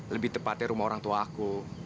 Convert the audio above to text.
lebih tepatnya rumah orang tua aku